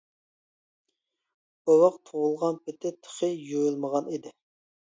بوۋاق تۇغۇلغان پىتى تېخى يۇيۇلمىغان ئىدى.